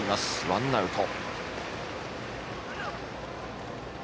ワンアウト。